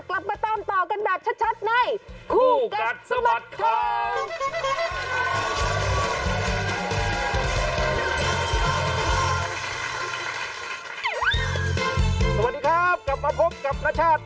สวัสดีครับกลับมาพบกับนชาติ